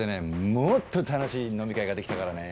もっと楽しい飲み会ができたからね。